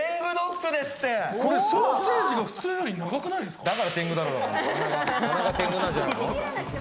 これ、ソーセージが普通より長くないですか？